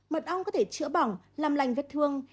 mật ong có thể chữa bỏng làm lành vết thương